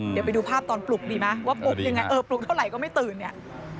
เดี๋ยวไปดูภาพตอนปลุกดีไหมว่าปลุกยังไงเออปลุกเท่าไหร่ก็ไม่ตื่นเนี่ย